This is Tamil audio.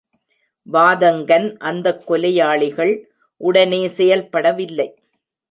வாதங்கன் அந்தக் கொலையாளிகள் உடனே செயல்பட வில்லை.